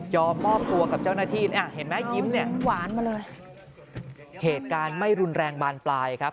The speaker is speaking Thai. ยอมมอบตัวกับเจ้าหน้าที่เห็นมั้ยยิ้มเนี่ยเหตุการณ์ไม่รุนแรงบานปลายครับ